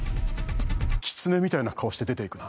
キツネみたいな顔して出ていくな。